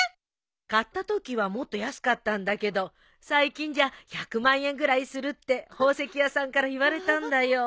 買ったときはもっと安かったんだけど最近じゃ１００万円ぐらいするって宝石屋さんから言われたんだよ。